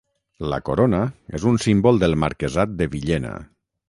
La corona és un símbol del marquesat de Villena.